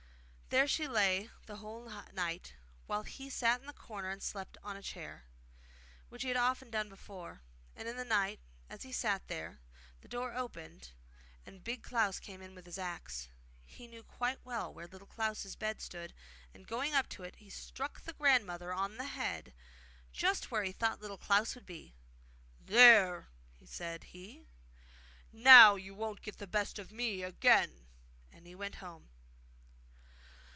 There she lay the whole night, while he sat in the corner and slept on a chair, which he had often done before. And in the night as he sat there the door opened, and Big Klaus came in with his axe. He knew quite well where Little Klaus's bed stood, and going up to it he struck the grandmother on the head just where he thought Little Klaus would be. 'There!' said he. 'Now you won't get the best of me again!' And he went home.